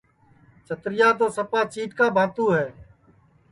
چترِیا تو سپا چِیٹکا بھاتُو ہے